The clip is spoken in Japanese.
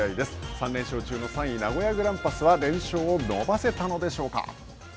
３連勝中の３位名古屋グランパスは連勝を伸ばせたのでしょうか。